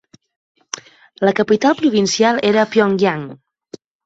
La capital provincial era Pyongyang.